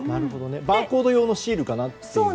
バーコード用のシールかなってね。